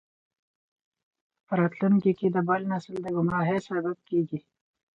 په راتلونکي کې د بل نسل د ګمراهۍ سبب کیږي.